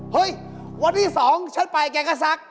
เฮ้ยวันที่๒ฉันไปแกก็ซัก